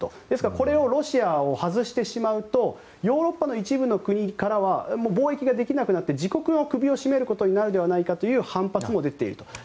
ですからこれをロシアを外してしまうとヨーロッパの一部の国からはもう貿易ができなくなって自国の首を絞めることになるのではないかという反発も出ていると。